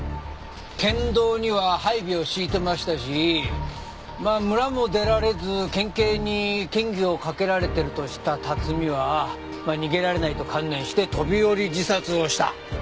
県道には配備を敷いてましたしまあ村も出られず県警に嫌疑をかけられてると知った辰巳はまあ逃げられないと観念して飛び降り自殺をした。